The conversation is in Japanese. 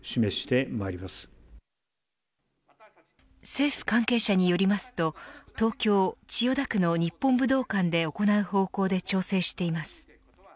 政府関係者によりますと東京、千代田区の日本武道館で行う方向で調整しています。